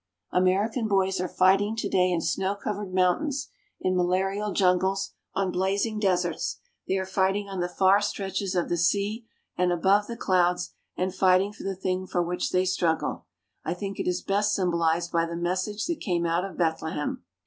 American boys are fighting today in snow covered mountains, in malarial jungles, on blazing deserts; they are fighting on the far stretches of the sea and above the clouds, and fighting for the thing for which they struggle. I think it is best symbolized by the message that came out of Bethlehem.